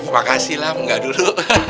makasih lam enggak dulu